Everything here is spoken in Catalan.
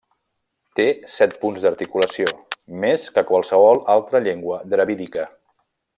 Té set punts d'articulació, més que qualsevol altra llengua dravídica.